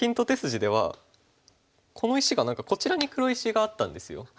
手筋ではこの石が何かこちらに黒石があったんですよ。